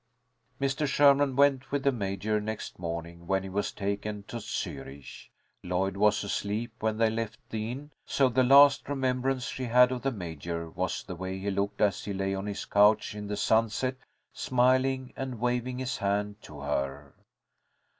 Mr. Sherman went with the Major next morning, when he was taken to Zürich. Lloyd was asleep when they left the inn, so the last remembrance she had of the Major was the way he looked as he lay on his couch in the sunset, smiling, and waving his hand to her.